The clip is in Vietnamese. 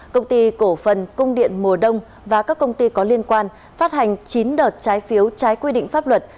công ty cổ phần cung điện mùa đông và các công ty có liên quan phát hành chín đợt trái phiếu trái quy định pháp luật